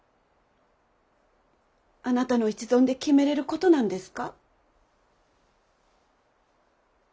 あなたの一存で決めれることなんですか？